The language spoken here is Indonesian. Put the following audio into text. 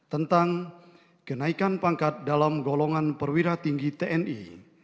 tentang kenaikan pangkat dalam golongan perwira tinggi tni